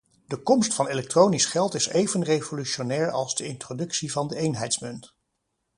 De komst van elektronisch geld is even revolutionair als de introductie van de eenheidsmunt.